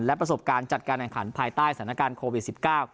และประสบการณ์จัดการแห่งขันภายใต้สถานการณ์โควิด๑๙